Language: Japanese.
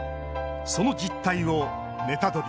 その実態をネタドリ！